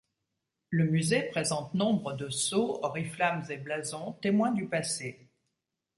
Le musée présente nombre de sceaux, oriflammes et blasons, témoins du passé.